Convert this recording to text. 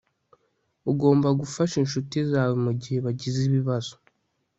Ugomba gufasha inshuti zawe mugihe bagize ibibazo